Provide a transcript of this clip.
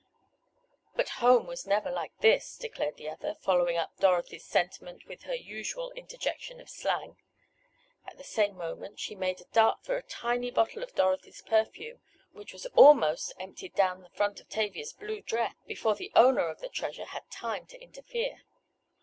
"But home was never like this," declared the other, following up Dorothy's sentiment with her usual interjection of slang. At the same moment she made a dart for a tiny bottle of Dorothy's perfume, which was almost emptied down the front of Tavia's blue dress, before the owner of the treasure had time to interfere.